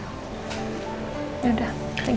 yaudah kita pergi